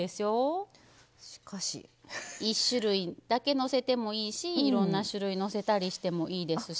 １種類だけのせてもいいしいろんな種類をのせたりしてもいいですし。